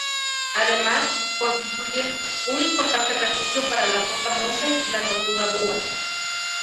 Además, constituye, un importante refugio para la foca monje y la tortuga boba.